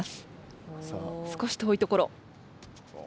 少し遠いところ。